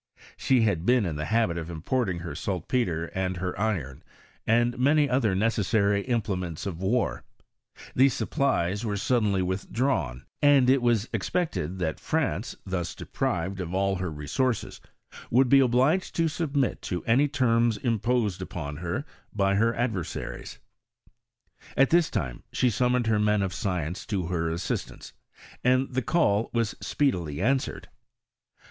She had been in the habit of importing her saltpetre, and her iron, and many other ne cessary implements of war : these supplies were ■uddenly withdrawn; and It was expected that France, thus deprived of all her resources, would be obliged to submit to any terms imposed upon her by I 144 HISTORY OT CHaWTSTRT. her adversaries. At this time she summoned hec men of science to her assistance, and the call was speedily answered.